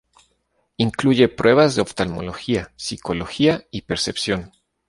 Incluye pruebas de oftalmología, psicología y percepción.